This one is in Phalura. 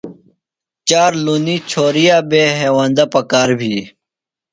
چارلُنی چھوریہ بےۡ، ہیوندہ پکار بھی